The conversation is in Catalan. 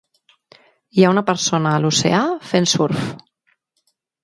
Hi ha una persona a l'oceà fent surf.